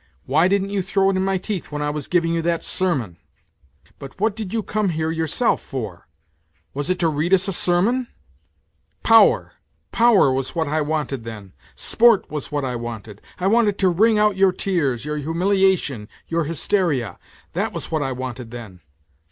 Why didn't you throw it in my teeth when I was giving you that sermon :' But what did yon come here yourself for? was it to read us a sermon ?' Power, power was what I wanted then, sport was what I wanted, I wanted to wring out your tears, your humiliation, your hysteria that was what I wanted then